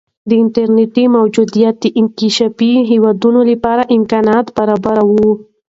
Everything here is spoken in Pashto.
د انټرنیټ موجودیت د انکشافي هیوادونو لپاره امکانات برابروي.